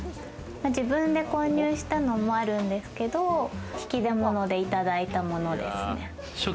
自分で購入したのもあるんですけど、引き出物でいただいたものですね。